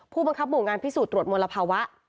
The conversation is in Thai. ผู้บังคับหมู่งานพิสูจนตรวจมลภาวะ